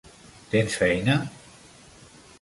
Tens feina?